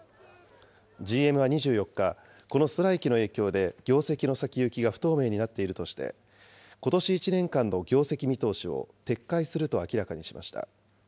ＧＭは２４日、このストライキの影響で、業績の先行きが不透明になっているとして、ことし１年間の業績見通しを撤回すると明らかにしました。